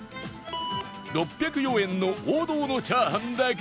６０４円の王道のチャーハンだけでなく